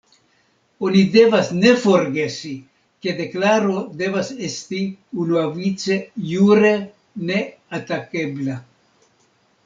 Oni devas ne forgesi, ke deklaro devas esti unuavice jure neatakebla.